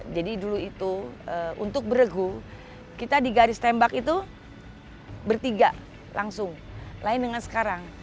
jadi dulu itu untuk beregu kita di garis tembak itu bertiga langsung lain dengan sekarang